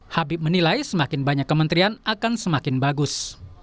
habib menilai semakin banyak kementerian akan semakin bagus